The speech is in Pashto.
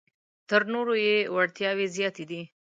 تر نورو یې وړتیاوې زیاتې دي.